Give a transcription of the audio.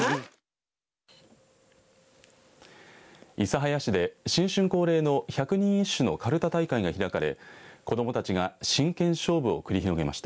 諫早市で、新春恒例の百人一首のかるた大会が開かれ子どもたちが真剣勝負を繰り広げました。